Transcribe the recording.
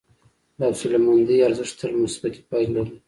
د حوصلهمندي ارزښت تل مثبتې پایلې لري.